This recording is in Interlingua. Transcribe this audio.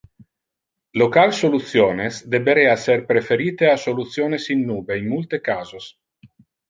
Local solutiones deberea ser preferite a solutiones in nube in multe casos.